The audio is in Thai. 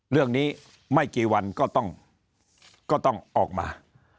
เรื่องนี้ไม่กี่วันก็ต้องออกมา